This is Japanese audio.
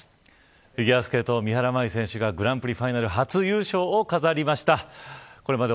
フィギュアスケート三原舞依選手がグランプリファイナル初優勝を飾りました。